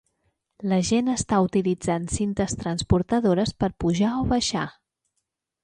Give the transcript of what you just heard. La gent està utilitzant cintes transportadores per pujar o baixar.